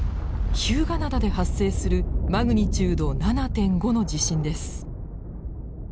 日向灘で発生するマグニチュード７．５の地震です。